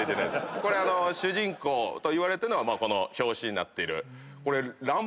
これ主人公といわれてんのはこの表紙になっている。